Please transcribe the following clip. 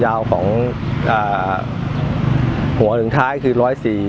อาหาร